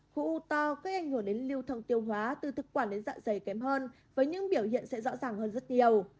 khu u to gây ảnh hưởng đến lưu thông tiêu hóa từ thực quản đến dạ dày kém hơn với những biểu hiện sẽ rõ ràng hơn rất nhiều